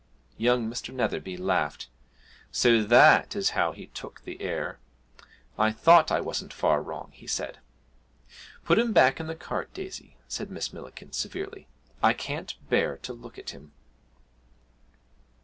Young Mr. Netherby laughed. 'So that is how he took the air! I thought I wasn't far wrong,' he said. 'Put him back in the cart, Daisy,' said Miss Millikin severely; 'I can't bear to look at him.'